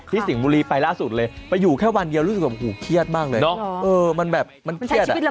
ที่สิ่งบุรีไปล่าสุดเลยไปอยู่แค่วันเดียวรู้สึกแบบเครียดบ้างเลย